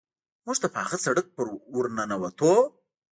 موږ د پاخه سړک په ورننوتو.